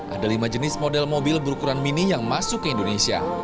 ada lima jenis model mobil berukuran mini yang masuk ke indonesia